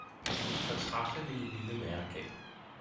Min fortræffelige lille nattergal!